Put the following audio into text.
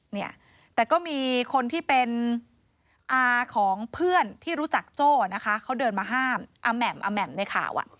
เนี่ยแต่ก็มีคนที่เป็นอาของเพื่อนที่รู้จักโจ้นะคะเขาเดินมาห้ามอาแหม่มอาแหม่มในข่าว